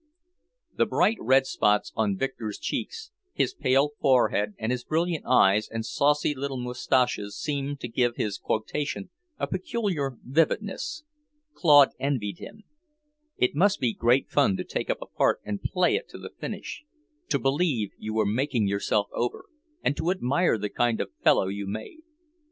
The bright red spots on Victor's cheeks, his pale forehead and brilliant eyes and saucy little moustaches seemed to give his quotation a peculiar vividness. Claude envied him. It must be great fun to take up a part and play it to a finish; to believe you were making yourself over, and to admire the kind of fellow you made.